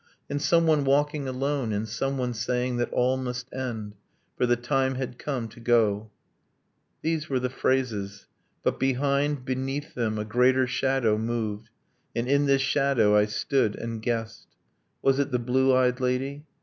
. And someone walking alone; and someone saying That all must end, for the time had come to go ...' These were the phrases ... but behind, beneath them A greater shadow moved: and in this shadow I stood and guessed ... Was it the blue eyed lady?